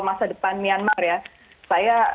masa depan myanmar ya saya